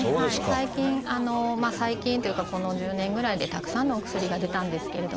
最近最近というかこの１０年ぐらいでたくさんのお薬が出たんですけれども。